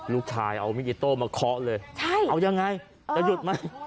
ลูกชายเอามิอิโต้มาเคาะเลยเอายังไงจะหยุดไหม